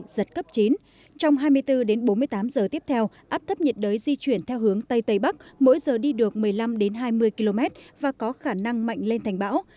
giật cấp chín trong hai mươi bốn đến bốn mươi tám giờ tiếp theo áp thấp nhiệt đới di chuyển theo hướng tây tây bắc mỗi giờ đi được một mươi năm hai mươi km và có khả năng mạnh lên thành bão